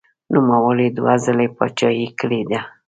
نوموړي دوه ځلې پاچاهي کړې ده.